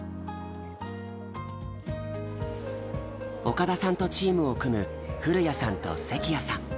岡田さんとチームを組む古谷さんと関谷さん。